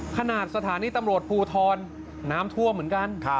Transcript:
สถานีตำรวจภูทรน้ำท่วมเหมือนกัน